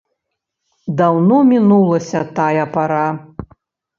Даўно мінулася тая пара.